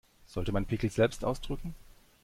Sollte man Pickel selbst ausdrücken?